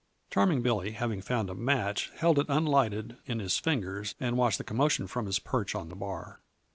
Charming Billy, having found a match, held it unlighted in his fingers and watched the commotion from his perch on the bar.